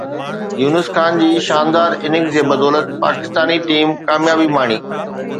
يونس خان جي شاندار اننگز جي بدولت پاڪستاني ٽيم ڪاميابي ماڻي